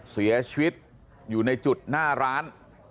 เสียชีวิตอยู่ในจุดหน้าร้าน